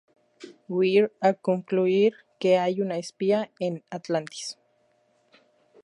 Weir a concluir que hay un espía en Atlantis.